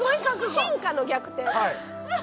進化の逆転！？